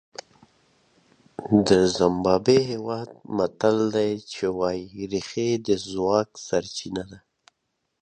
د زیمبابوې هېواد متل وایي رېښې د ځواک سرچینه ده.